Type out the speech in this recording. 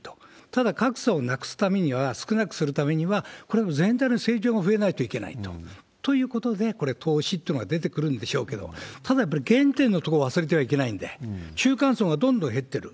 ただ、格差をなくすためには、少なくするためには、全体の成長が増えないといけないと。ということで、これ、投資ってのが出てくるんでしょうけど、ただ、やっぱり原点のところを忘れてはいけないんで、中間層がどんどん減ってる。